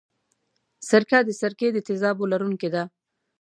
سرکه د سرکې د تیزابو لرونکې ده.